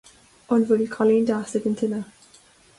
An bhfuil cailín deas ag an tine